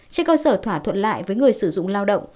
trên cơ sở thỏa thuận lại với người sử dụng lao động